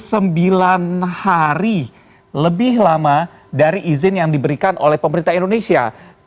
sembilan hari lebih lama dari izin yang diberikan oleh pemerintah indonesia